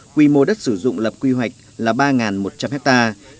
quy mô đất sử dụng lập quy hoạch là ba một trăm linh hectare